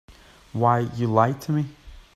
Why, you lied to me.